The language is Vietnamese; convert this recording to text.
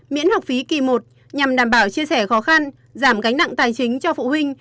miễn học phí kỳ một nhằm đảm bảo chia sẻ khó khăn giảm gánh nặng tài chính cho phụ huynh